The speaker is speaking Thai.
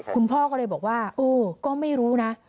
คุณพ่อก็เลยบอกว่าเออก็ไม่รู้นะ